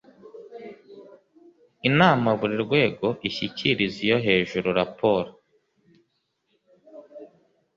inama buri rwego ishyikiriza iyo hejuru raporo